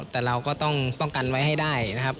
แต่เราก็ต้องป้องกันไว้ให้ได้นะครับ